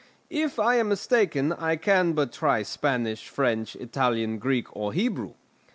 If I am mistaken, I can but try Spanish, French, Italian, Greek, or Hebrew.